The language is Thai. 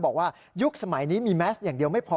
บอกว่ายุคสมัยนี้มีแมสก์อย่างเดียวไม่พอ